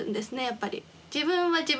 やっぱり。